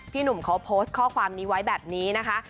หนุ่มเขาโพสต์ข้อความนี้ไว้แบบนี้นะคะ